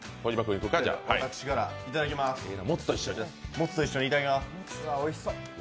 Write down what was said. もつと一緒にいただきます。